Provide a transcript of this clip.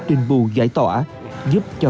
trình bù giải tỏa giúp cho